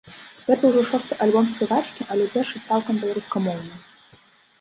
Гэта ўжо шосты альбом спявачкі, але першы цалкам беларускамоўны.